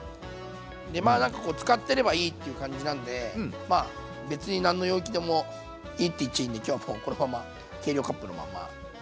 でまあなんかこうつかってればいいっていう感じなんでまあ別に何の容器でもいいっていっちゃいいんで今日はもうこのまま計量カップのまま。